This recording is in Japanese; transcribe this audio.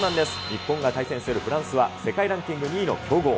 日本が対戦するフランスは世界ランキング２位の強豪。